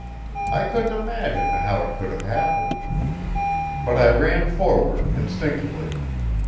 I couldn't imagine how it could have happened, but I ran forward instinctively.